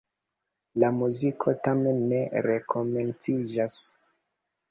La muziko tamen ne rekomenciĝas.